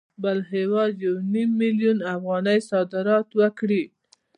بل هېواد یو نیم میلیون افغانۍ صادرات وکړي